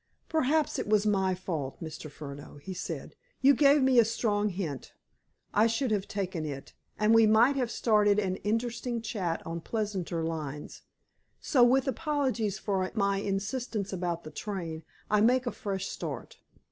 "Perhaps it was my fault, Mr. Furneaux," he said. "You gave me a strong hint. I should have taken it, and we might have started an interesting chat on pleasanter lines. So, with apologies for my insistence about the train, I make a fresh start.